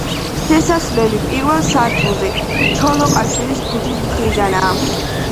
შესასვლელი პირველ სართულზე, ჩოლოყაშვილის ქუჩის მხრიდანაა.